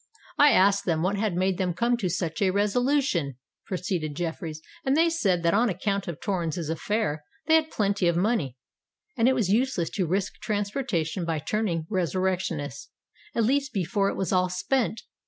"I asked them what had made them come to such a resolution," proceeded Jeffreys; "and they said that on account of Torrens's affair they had plenty of money, and it was useless to risk transportation by turning resurrectionists, at least before it was all spent.